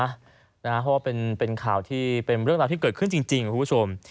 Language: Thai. เพราะว่าเป็นข่าวที่เป็นเรื่องราวที่เกิดขึ้นจริงคุณผู้ชม